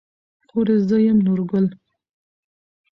خورې زه يم نورګل.